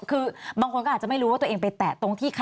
คือบางคนก็อาจจะไม่รู้ว่าตัวเองไปแตะตรงที่ใคร